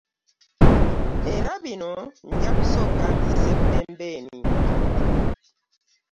Era bino nja kusooka mbisse ppembeni .